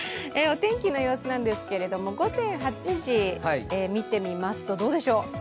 お天気の様子なんですけれども午前８時見てみますと、どうでしょう。